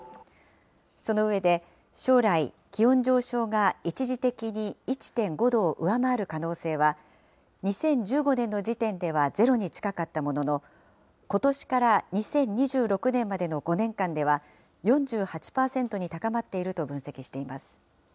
その上で、将来、気温上昇が一時的に１．５度を上回る可能性は、２０１５年の時点ではゼロに近かったものの、ことしから２０２６年までの５年間では、４８％に高まっていると分析しています。